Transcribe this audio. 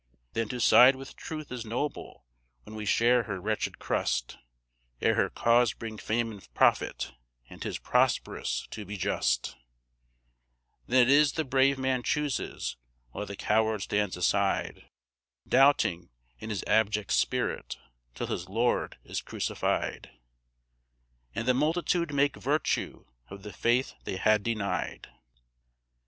Then to side with Truth is noble when we share her wretched crust, Ere her cause bring fame and profit, and 'tis prosperous to be just; Then it is the brave man chooses, while the coward stands aside, Doubting in his abject spirit, till his Lord is crucified, And the multitude make virtue of the faith they had denied.